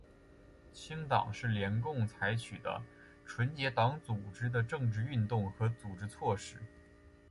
清党是联共采取的纯洁党组织的政治运动和组织措施。